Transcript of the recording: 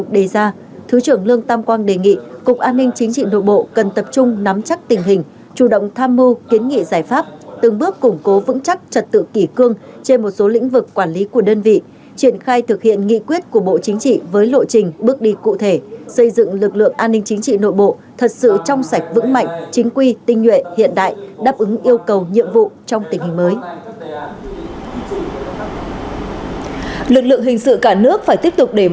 ngoài ra thứ trưởng lương tam quang đề nghị cục an ninh chính trị nội bộ cần tập trung nắm chắc tình hình chủ động tham mưu kiến nghị giải pháp từng bước củng cố vững chắc trật tự kỷ cương trên một số lĩnh vực quản lý của đơn vị triển khai thực hiện nghị quyết của bộ chính trị với lộ trình bước đi cụ thể xây dựng lực lượng an ninh chính trị nội bộ thật sự trong sạch vững mạnh chính quy tinh nhuệ hiện đại đáp ứng yêu cầu nhiệm vụ trong tình hình mới